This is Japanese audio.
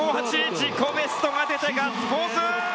自己ベストが出てガッツポーズ。